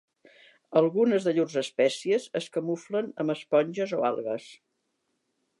Algunes de llurs espècies es camuflen amb esponges o algues.